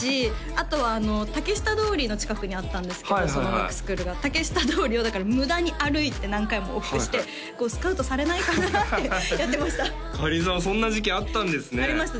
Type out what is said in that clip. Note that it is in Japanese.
あとは竹下通りの近くにあったんですけどそのスクールが竹下通りをだから無駄に歩いて何回も往復してスカウトされないかなってやってましたかりんさんそんな時期あったんですねありました